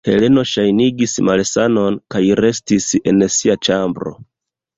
Heleno ŝajnigis malsanon kaj restis en sia ĉambro.